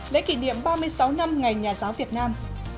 lễ kỷ niệm ba mươi sáu năm ngày nhà giáo việt nam